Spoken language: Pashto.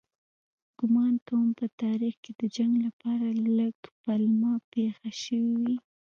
ګومان کوم په تاریخ کې د جنګ لپاره لږ پلمه پېښه شوې وي.